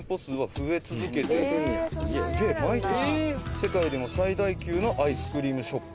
「世界でも最大級のアイスクリームショップ」